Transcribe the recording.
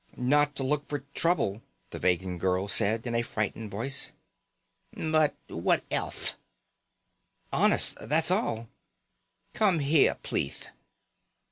"Not to look for trouble," the Vegan girl said in a frightened voice. "But what elth?" "Honest, that's all." "Come here, pleath."